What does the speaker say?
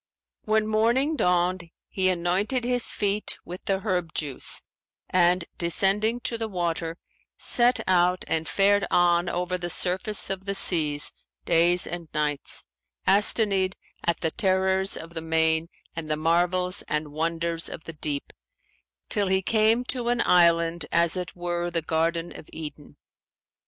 When morning dawned, he anointed his feet with the herb juice and descending to the water, set out and fared on over the surface of the seas days and nights, astonied at the terrors of the main and the marvels and wonders of the deep, till he came to an island as it were the Garden of Eden.